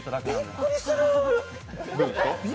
びっくりする！